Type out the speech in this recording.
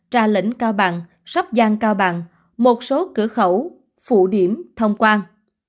trà lĩnh cao bằng sắp giang cao bằng một số cửa khẩu phụ điểm thông quan